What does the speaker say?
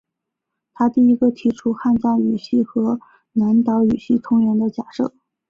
他第一个提出汉藏语系和南岛语系同源的假设。